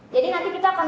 jadi nanti kita akan